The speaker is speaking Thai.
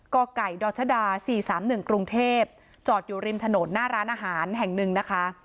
กไก่ดชด๔๓๑กรุงเทพจอดอยู่ริมถนนหน้าร้านอาหารแห่งหนึ่งนะคะ